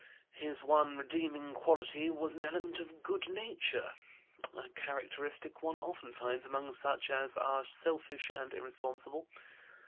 His one redeeming quality was an element of good nature: a characteristic one often finds among such as are selfish and irresponsible.